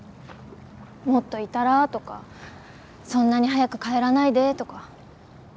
もっといたらぁとかそんなに早く帰らないでぇとか。